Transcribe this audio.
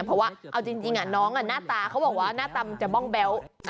เพราะว่าเอาจริงน้องหน้าตาเขาบอกว่าหน้าตำจะบ้องแบ๊ว